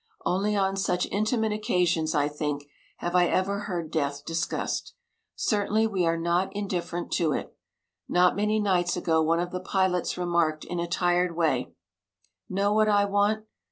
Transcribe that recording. Only on such intimate occasions, I think, have I ever heard death discussed. Certainly we are not indifferent to it. Not many nights ago one of the pilots remarked in a tired way: "Know what I want?